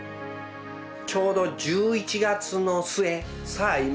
ちょうど１１月の末さあ